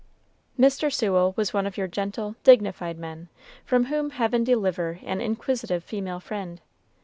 Mr. Sewell was one of your gentle, dignified men, from whom Heaven deliver an inquisitive female friend!